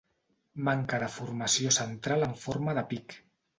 Manca de formació central en forma de pic.